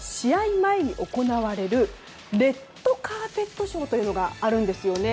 前に行われるレッドカーペットショーというのがあるんですよね。